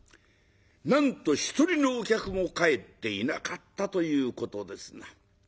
なんと一人のお客も帰っていなかったということですな。